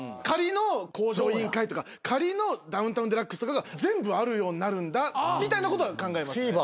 仮の『向上委員会』とか仮の『ダウンタウンＤＸ』とかが全部あるようになるんだみたいなことは考えます。